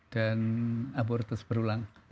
dan abortus berulang